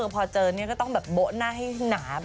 พอเจอเนี่ยก็ต้องบดหน้าให้หนา